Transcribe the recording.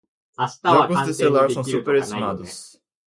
Jogos de celular são subestimados